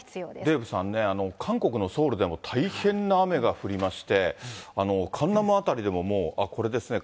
デーブさんね、韓国のソウルでも大変な雨が降りまして、カンナム辺りでも、もう、これですね。